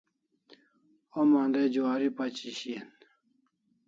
Homa andai juari pachi shian